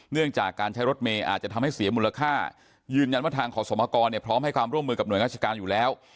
เนื่องจากการใช้รถเมย์อาจจะทำให้เสียมูลค่ายืนยันว่าทางขอสมกรเนี่ยพร้อมให้ความร่วมมือกับหน่วยราชการอยู่แล้ว